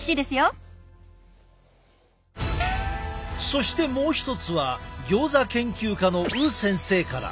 そしてもう一つはギョーザ研究家の于先生から。